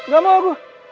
gak mau aku